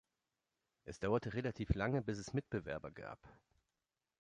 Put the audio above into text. Es dauerte relativ lange, bis es Mitbewerber gab.